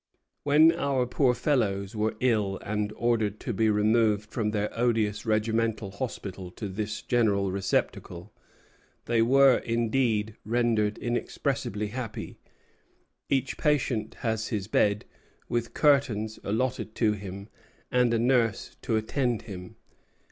"When our poor fellows were ill and ordered to be removed from their odious regimental hospital to this general receptacle, they were indeed rendered inexpressibly happy. Each patient has his bed, with curtains, allotted to him, and a nurse to attend him.